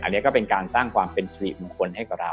อันนี้ก็เป็นการสร้างความเป็นสิริมงคลให้กับเรา